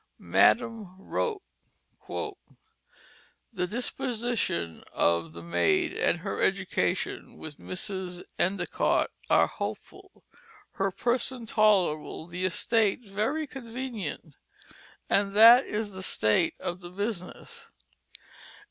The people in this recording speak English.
Madam wrote: "The disposition of the mayde and her education with Mrs. Endicott are hopefull, her person tollerable, the estate very convenient, and that is the state of the business."